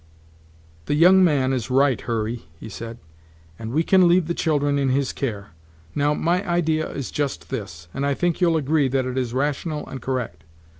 "The young man is right, Hurry," he said; "and we can leave the children in his care. Now, my idea is just this; and I think you'll agree that it is rational and correct.